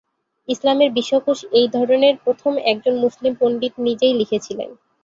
ইসলামের বিশ্বকোষ এই ধরনের প্রথম একজন মুসলিম পণ্ডিত নিজেই লিখেছিলেন।